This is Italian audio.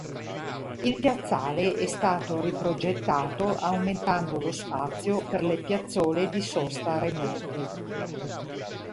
Il piazzale è stato ri-progettato aumentando lo spazio per le piazzole di sosta remote.